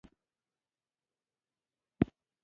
شمعی پټي ځلوه غمازان ډیر دي